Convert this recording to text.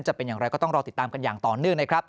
จะเป็นอย่างไรก็ต้องรอติดตามกันอย่างต่อเนื่องนะครับ